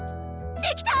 できた！